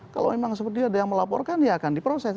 kalau memang seperti itu ada yang melaporkan ya akan diproses